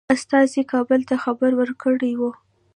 استازي کابل ته خبر ورکړی وو.